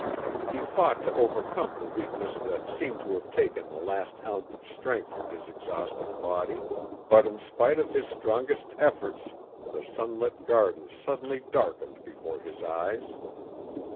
He fought to overcome the weakness that seemed to have taken the last ounce of strength from his exhausted body, but in spite of his strongest efforts the sunlit garden suddenly darkened before his eyes.